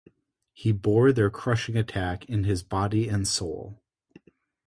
He bore their crushing attack in his body and soul.